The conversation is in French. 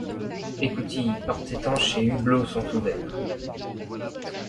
Écoutilles, portes étanches et hublots sont ouverts.